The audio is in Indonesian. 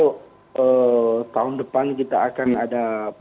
ini tantangannya cukup besar bagi pemerintah kita harus menjaga agar beras ini walaupun impor